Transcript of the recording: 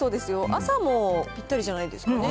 朝もぴったりじゃないですかね。